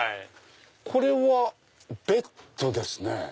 これはベッドですね。